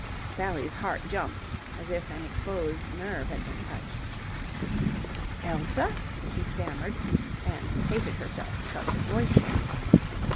Sally's heart jumped as if an exposed nerve had been touched. "Elsa?" she stammered, and hated herself because her voice shook.